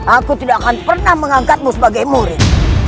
aku tidak akan pernah mengangkatmu sebagai murid